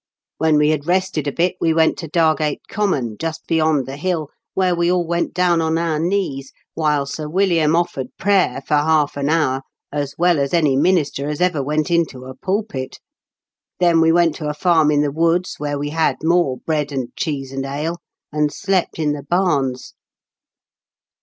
When we had rested a bit we went to Dargate Common, just beyond the hill, where we all went down on our knees, while Sir William offered prayer for half an hour as weU aa any minister as ever went into a pulpit. Then we went to a farm in the woods, where we had more bread and cheese and ale, and slept in the bams.